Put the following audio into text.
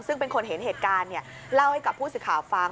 ซึ่งเป็นคนเห็นเหตุการณ์เล่าให้กับผู้สื่อข่าวฟัง